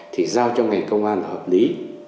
thì giao cho ngành công an hợp lý